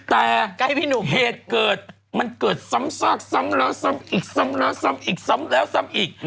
แต่เหตุเกิดมันเกิดซ้ำซากซ้ำแล้วซ้ำอีก